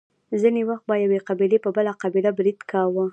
ځینې وخت به یوې قبیلې په بله قبیله برید کاوه.